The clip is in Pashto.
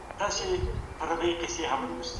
ډیپلوماټان چیري د قانون واکمني پیاوړي کوي؟